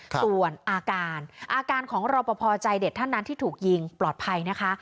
ส่วนอาการอาการของรอปภใจเด็ดท่านนั้นที่ถูกยิงปลอดภัยนะคะ